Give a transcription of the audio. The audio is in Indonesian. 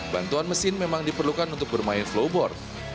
bantuan mesin memang diperlukan untuk bermain flowboard